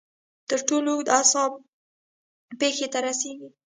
تر ټولو اوږد اعصاب پښې ته رسېږي.